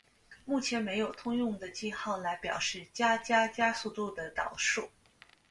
目前没有通用的记号来表示加加加速度的导数。